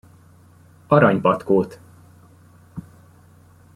Aranypatkót!